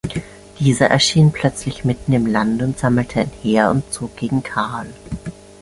Dieser erschien plötzlich mitten im Land und sammelte ein Heer und zog gegen Karl.